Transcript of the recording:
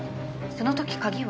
その時鍵は？